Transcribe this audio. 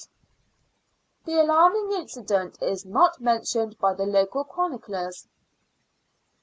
The alarming incident is not mentioned by the local chroniclers.